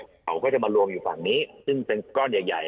เขาก็จะมารวมอยู่ฝั่งนี้ซึ่งเป็นก้อนใหญ่